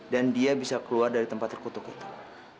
dan dia bisa keluar dari tempat terkutuk kutuk